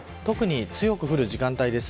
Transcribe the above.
特に強く降る時間帯です。